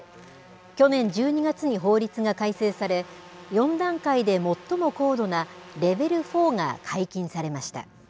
去年１２月に法律が改正され、４段階で最も高度なレベル４が解禁されました。